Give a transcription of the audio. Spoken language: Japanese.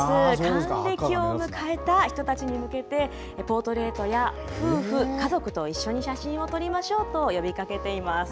還暦を迎えた人に向けて、ポートレートや夫婦、家族と一緒に写真を撮りましょうと呼びかけています。